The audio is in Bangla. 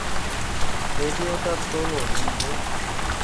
রেডিওটা তোলো, বন্ধু।